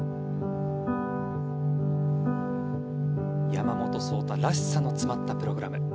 山本草太らしさの詰まったプログラム。